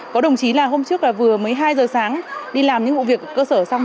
có đồng chí là hôm trước vừa mấy hai giờ sáng đi làm những vụ việc cơ sở xong